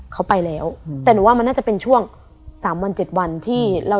เขาไปแล้วแต่หนูว่ามันน่าจะเป็นช่วง๓๗วันที่